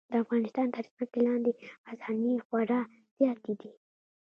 د افغانستان تر ځمکې لاندې خزانې خورا زیاتې دي.